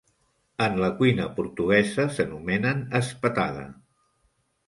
En la cuina portuguesa, s'anomenen "espetada".